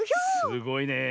すごいねえ。